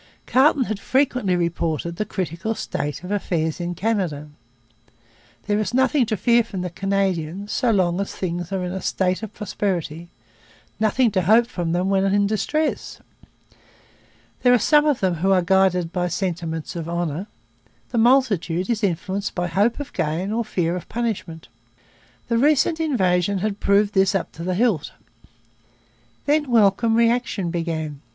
Carleton had frequently reported the critical state of affairs in Canada. 'There is nothing to fear from the Canadians so long as things are in a state of prosperity; nothing to hope from them when in distress. There are some of them who are guided by sentiments of honour. The multitude is influenced by hope of gain or fear of punishment.' The recent invasion had proved this up to the hilt. Then welcome reaction began.